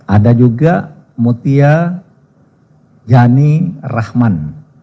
ada juga mutia jani rahman